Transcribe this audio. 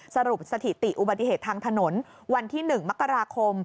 สถิติอุบัติเหตุทางถนนวันที่๑มกราคม